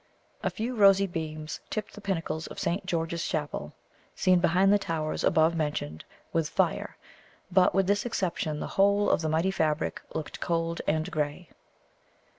A few rosy beams tipped the pinnacles of Saint George's Chapel, seen behind the towers above mentioned, with fire; but, with this exception, the whole of the mighty fabric looked cold and grey.